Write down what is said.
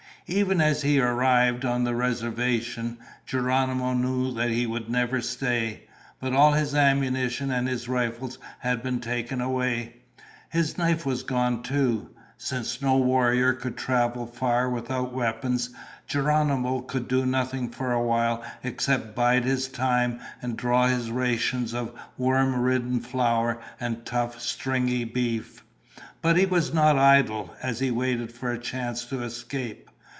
Even as he arrived on the reservation, Geronimo knew that he would never stay. But all his ammunition and his rifle had been taken away. His knife was gone too. Since no warrior could travel far without weapons, Geronimo could do nothing for a while except bide his time and draw his rations of worm ridden flour and tough, stringy beef. But he was not idle, as he waited for a chance to escape.